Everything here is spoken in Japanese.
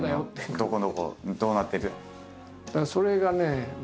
「どこどこどうなってる」。